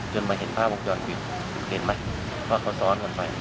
มาเห็นภาพวงจรปิดเห็นไหมว่าเขาซ้อนกันไป